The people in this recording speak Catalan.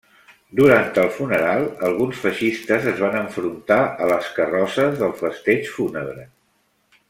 Durant el funeral, alguns feixistes es van enfrontar a les carrosses del festeig fúnebre.